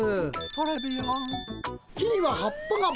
トレビアン。